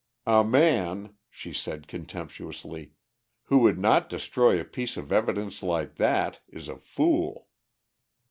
"A man," she said contemptuously, "who would not destroy a piece of evidence like that, is a fool!"